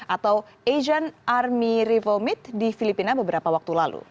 atau asian army revomit di filipina beberapa waktu lalu